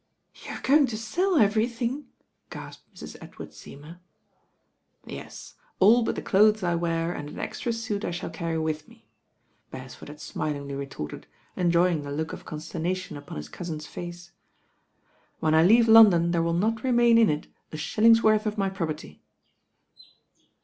"You're going to sell everything," gasped Mrs. Edward Seymour. "Yes, all but the clothes I wear and an ejctra suit I shall carry with me," Beresford had smilingly retorted, enjoying the look of consternation upon his cousin's face. "When I leave London there wiU not remain in it a shilling's worth of my property."